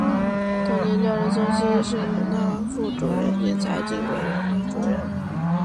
同年调任山西省人大副主任兼财经委员会主任。